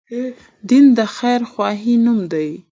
دين د خير خواهي نوم دی